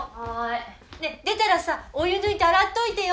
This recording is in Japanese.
ねえ出たらさお湯抜いて洗っといてよ。